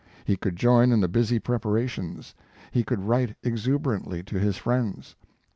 He could join in the busy preparations; he could write exuberantly to his friends.